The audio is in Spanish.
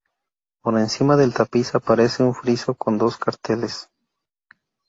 Por encima del tapiz aparece un friso con dos carteles.